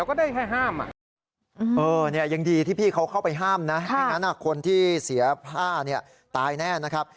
เออเนี้ยยังดีที่พี่เขาเข้าไปห้ามนะฮะดังนั้นคนที่เสียห้าเนี้ยตายแน่นนะครับ